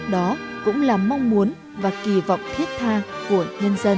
đó cũng là mong muốn và kỳ vọng thiết tha của nhân dân